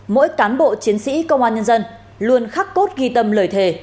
mỗi cán bộ chiến sĩ công an nhân dân luôn khắc cốt ghi tâm lời thề